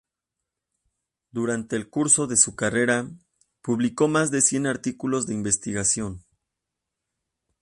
Durante el curso de su carrera, publicó más de cien artículos de investigación.